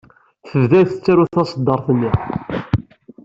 Tebda tettaru taṣeddart-nni.